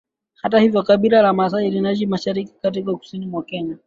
Hata hivyo kabila la Masai linaishi mashariki kati na kusini mwa Kenya